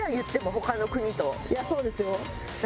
いやそうですよ。私。